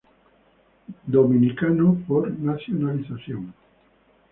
Dominicano por nacionalización.